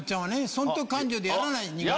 損得勘定でやらない人間。